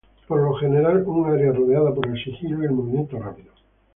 Por lo general, un área rodeada por el sigilo y el movimiento rápido.